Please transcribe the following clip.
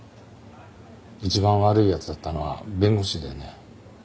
一番悪い奴だったのは弁護士でね。